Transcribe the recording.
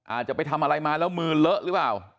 อาจจะไปทำอะไรมาแล้วมือเลอะหรือเปล่า